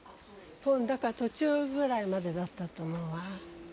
だから途中ぐらいまでだったと思うわ。